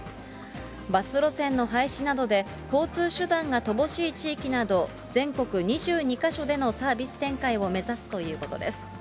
バス路線の廃止などで、交通手段が乏しい地域など、全国２２か所でのサービス展開を目指すということです。